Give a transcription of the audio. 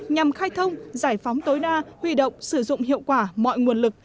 nhằm khai thông giải phóng tối đa huy động sử dụng hiệu quả mọi nguồn lực